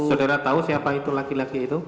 saudara tahu siapa itu laki laki itu